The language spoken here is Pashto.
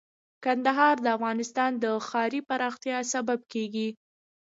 کندهار د افغانستان د ښاري پراختیا سبب کېږي.